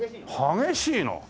激しいの？